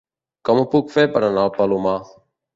Com ho puc fer per anar al Palomar?